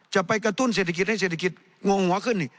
จะไปกระตุ้นเศรษฐกิจให้เศรษฐกิจงงหัวขึ้นนี่